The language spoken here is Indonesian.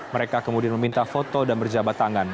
mereka kemudian meminta foto dan berjabat tangan